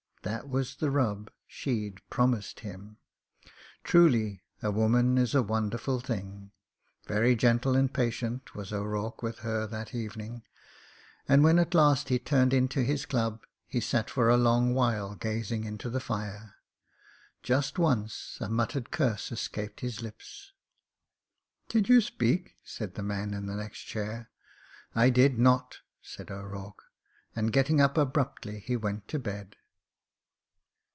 That was the rul>— she'd promised him. Truly a woman is a wonderful thing ! Very gentle and patient was O'Rourke with her that evening, and when at last he turned into his dub, he sat for a long while gazing into the fire. Just once a muttered curse escaped his lips. "Did you speak ?" said the man in the next chair. "I did notf' said O'Rourke, and getting up abruptly he went to bed.